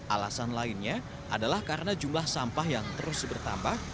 alasan lainnya adalah karena jumlah sampah yang terus bertambah